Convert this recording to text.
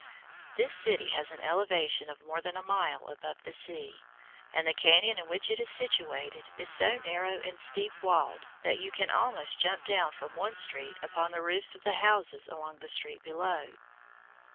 The city has an elevation of more than a mile above the sea, and the cañon in which it is situated is so narrow and steep walled that you can almost jump down from one street upon the roofs of the houses along the street below.